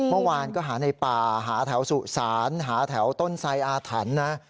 เมื่อวานก็หาในป่าหาแถวสุสานหาแถวต้นไซอาถรรพ์นะ